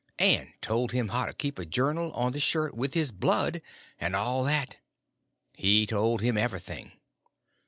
And told him how to keep a journal on the shirt with his blood, and all that. He told him everything.